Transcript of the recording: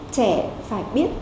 trẻ phải biết